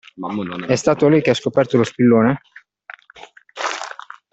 È stato lei che ha scoperto lo spillone?